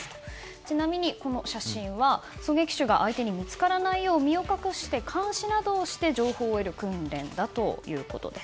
ちなみに、この写真は狙撃手が相手に見つからないよう身を隠して監視などをして情報を得る訓練だということです。